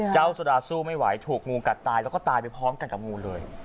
สุดาสู้ไม่ไหวถูกงูกัดตายแล้วก็ตายไปพร้อมกันกับงูเลย